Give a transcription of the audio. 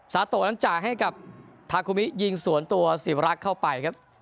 สาโตะนั้นจ่ายให้กับทาคุมิยิงสวนตัวสิวรักษ์เข้าไปครับ